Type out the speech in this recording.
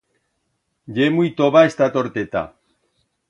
Ye muit tova esta torteta.